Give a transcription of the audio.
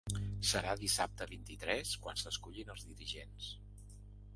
Serà dissabte vint-i-tres quan s’escullin els dirigents.